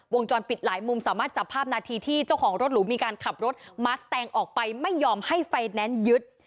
วงจรปิดหลายมุมสามารถจับภาพนาทีที่เจ้าของรถหรูมีการขับรถมัสแตงออกไปไม่ยอมให้ไฟแนนซ์ยึด